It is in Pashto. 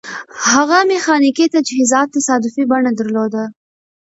هغه میخانیکي تجهیزات تصادفي بڼه درلوده